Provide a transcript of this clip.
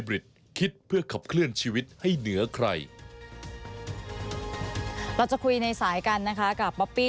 เราจะคุยในสายกันนะคะกับป๊อปปี้